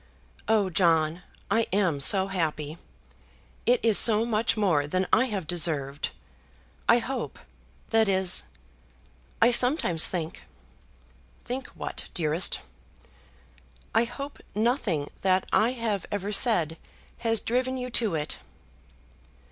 "Oh, John, I am so happy. It is so much more than I have deserved. I hope, that is, I sometimes think " "Think what, dearest?" "I hope nothing that I have ever said has driven you to it."